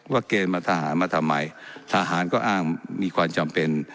เกณฑ์มาทหารมาทำไมทหารก็อ้างมีความจำเป็น